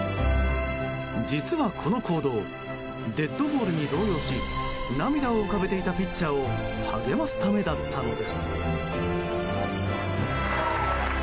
実は、この行動デッドボールに動揺し涙を浮かべていたピッチャーを励ますためだったのです。